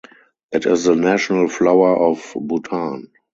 It is the national flower of Bhutan.